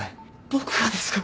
僕がですか？